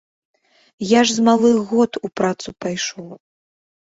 Я ж з малых год у працу пайшоў.